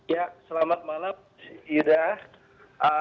ya selamat malam yudha